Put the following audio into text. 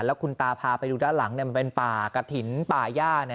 แล้วคุณตาพาไปดูด้านหลังมันเป็นป่ากระถิ่นป่าย่า